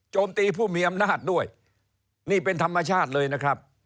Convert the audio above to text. ตีผู้มีอำนาจด้วยนี่เป็นธรรมชาติเลยนะครับ